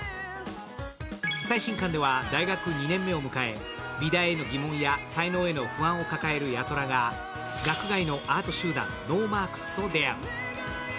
最新巻では大学２年目を迎え、美大への疑問や才能への不安を抱える八虎が学外のアート集団、ノーマークスと出会う。